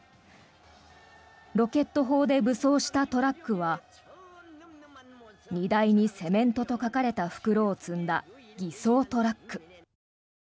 ロケット砲で武装したトラックは荷台にセメントと書かれた袋を積んだ偽装トラック。